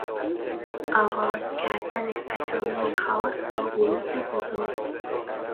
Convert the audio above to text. آغاز کردن اسامی خاص با حروف بزرگ